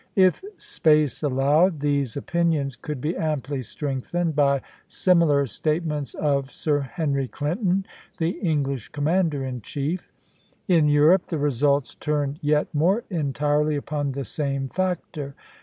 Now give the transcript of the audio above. If space allowed, these opinions could be amply strengthened by similar statements of Sir Henry Clinton, the English commander in chief. In Europe the results turned yet more entirely upon the same factor.